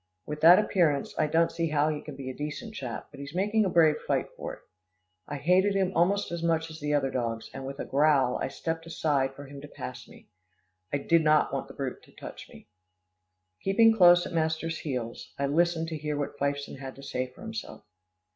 With that appearance, I don't see how he can be a decent chap, but he's making a brave fight for it. I hated him almost as much as the other dogs, and with a growl, I stepped aside for him to pass me. I did not want the brute to touch me. Keeping close at master's heels, I listened to hear what Fifeson had to say for himself.